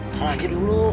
ntar lagi dulu